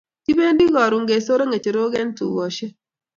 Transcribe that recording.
Kipendi karun kesore ngecherok en tukoshek